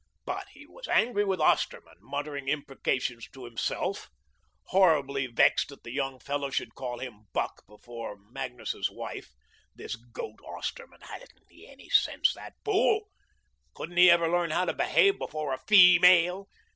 But he was angry with Osterman, muttering imprecations to himself, horribly vexed that the young fellow should call him "Buck" before Magnus's wife. This goat Osterman! Hadn't he any sense, that fool? Couldn't he ever learn how to behave before a feemale?